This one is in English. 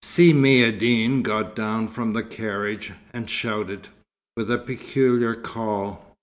Si Maïeddine got down from the carriage, and shouted, with a peculiar call.